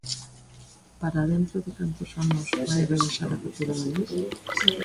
¿Para dentro de cantos anos vai rebaixar a factura da luz?